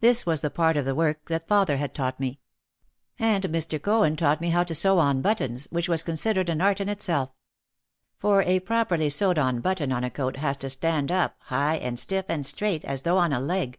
This was the part of the work that father had taught me. And Mr. Cohen taught me how to sew on buttons, which was con sidered an art in itself. For a properly sewed on button on a coat has to stand up high and stiff and straight as though on a leg.